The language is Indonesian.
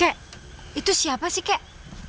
kak itu siapa sih kak